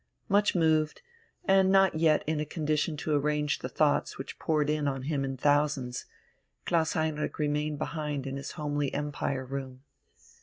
Much moved, and not yet in a condition to arrange the thoughts which poured in on him in thousands, Klaus Heinrich remained behind in his homely Empire room.